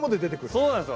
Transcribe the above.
そうなんですよ。